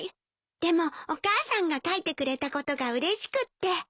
でもお母さんが書いてくれたことがうれしくって。